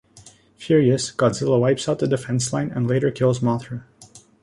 Furious, Godzilla wipes out the defense line and later kills Mothra.